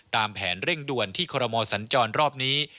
ตามแผนเร่งด่วนที่คอรมอสัญจรรอบนี้